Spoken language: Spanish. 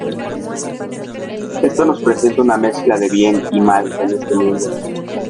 Eso nos presenta una mezcla de bien y mal en este mundo.